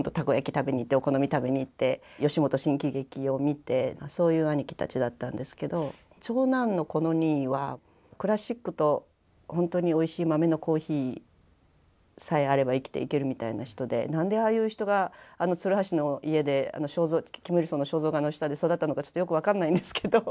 食べに行ってお好み食べに行って吉本新喜劇を見てそういう兄貴たちだったんですけど長男のコノ兄はクラシックと本当においしい豆のコーヒーさえあれば生きていけるみたいな人で何でああいう人があの鶴橋の家でキムイルソンの肖像画の下で育ったのかちょっとよく分かんないんですけど。